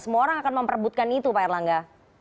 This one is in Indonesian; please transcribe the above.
semua orang akan memperbutkan itu pak erlangga